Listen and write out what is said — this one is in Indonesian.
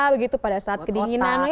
begitu pada saat kedinginan